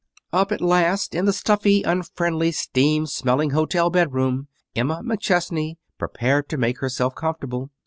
Up at last in the stuffy, unfriendly, steam smelling hotel bedroom Emma McChesney prepared to make herself comfortable.